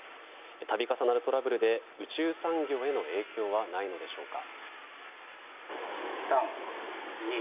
度重なるトラブルで宇宙産業への影響はないのでしょうか。